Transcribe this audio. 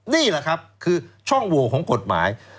นี่แหละครับคือช่องโหวของกฎหมาย